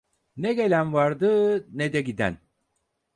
Ne gelen vardı, ne de giden…